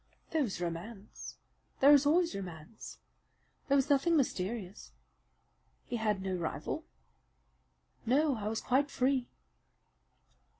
"There was romance. There is always romance. There was nothing mysterious." "He had no rival?" "No, I was quite free."